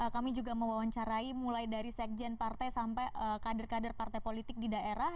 kami juga mewawancarai mulai dari sekjen partai sampai kader kader partai politik di daerah